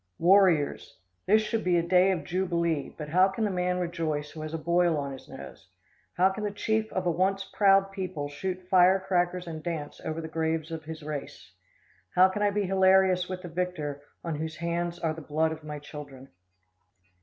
Warriors! This should be a day of jubilee, but how can the man rejoice who has a boil on his nose? How can the chief of a once proud people shoot firecrackers and dance over the graves of his race? How can I be hilarious with the victor, on whose hands are the blood of my children?